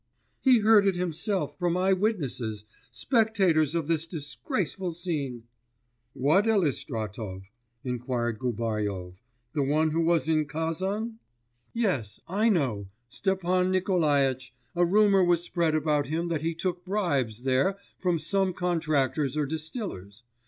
He heard it himself from eyewitnesses, spectators of this disgraceful scene.' 'What Elistratov?' inquired Gubaryov. 'The one who was in Kazan?' 'Yes. I know, Stepan Nikolaitch, a rumour was spread about him that he took bribes there from some contractors or distillers.